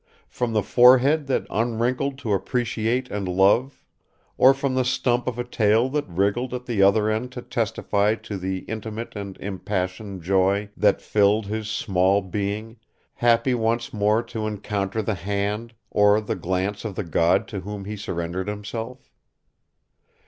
From the forehead that unwrinkled to appreciate and love, or from the stump of a tail that wriggled at the other end to testify to the intimate and impassioned joy that filled his small being, happy once more to encounter the hand or the glance of the god to whom he surrendered himself?